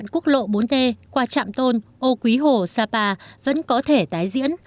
quốc lộ bốn d qua trạm tôn ô quý hồ sapa vẫn có thể tái diễn